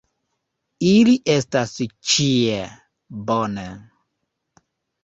Ili estas ĉie. Bone.